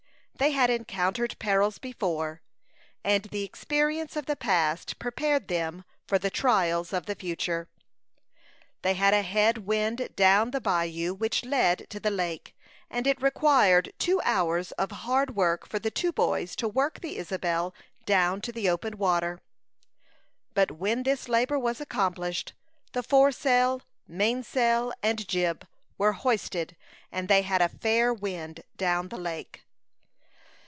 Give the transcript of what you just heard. They had encountered perils before, and the experience of the past prepared them for the trials of the future. They had a head wind down the bayou which led to the lake, and it required two hours of hard work for the two boys to work the Isabel down to the open water; but when this labor was accomplished, the foresail, mainsail, and jib were hoisted, and they had a fair wind down the lake.